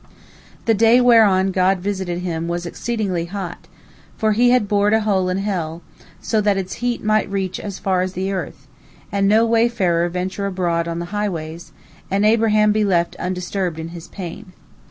" The day whereon God visited him was exceedingly hot, for He had bored a hole in hell, so that its heat might reach as far as the earth, and no wayfarer venture abroad on the highways, and Abraham be left undisturbed in his pain.